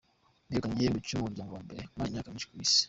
Begukanye igihembo cy’umuryango wa mbere umaranye imyaka myinshi ku isi